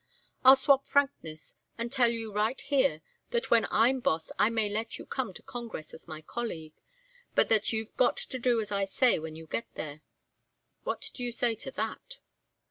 I'll swap frankness and tell you right here that when I'm boss I may let you come to Congress as my colleague, but that you've got to do as I say when you get there. What do you say to that?"